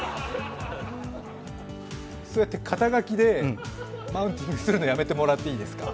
そうやって肩書でマウンティングするのやめてもらっていいですか？